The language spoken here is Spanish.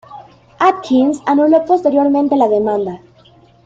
Atkins anuló posteriormente la demanda.